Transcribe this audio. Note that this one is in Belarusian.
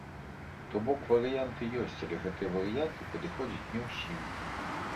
То бок варыянты ёсць, але гэтыя варыянты падыходзяць не ўсім.